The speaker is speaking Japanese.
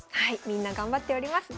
みんな頑張っております。